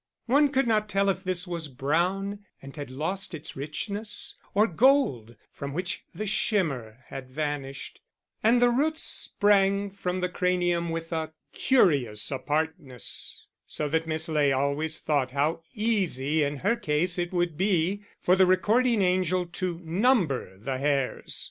One could not tell if this was brown and had lost its richness, or gold from which the shimmer had vanished; and the roots sprang from the cranium with a curious apartness, so that Miss Ley always thought how easy in her case it would be for the Recording Angel to number the hairs.